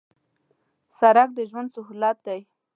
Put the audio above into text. سړک د ژوند سهولت دی